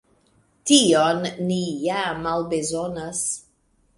Tion ni ja malbezonas.